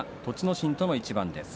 心との一番です。